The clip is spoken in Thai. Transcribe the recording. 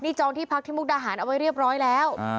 จองที่พักที่มุกดาหารเอาไว้เรียบร้อยแล้ว